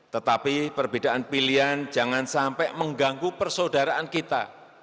tetapi perbedaan pilihan jangan sampai mengganggu persaudaraan kita